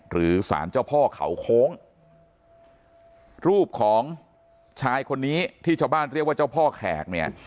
หรือสารเจ้าพ่อเขาโค้งรูปของชายคนนี้ที่ชาวบ้านเรียกว่าเจ้าพ่อแขกเนี่ย